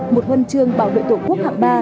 một huân trương bảo vệ tổ quốc hạng ba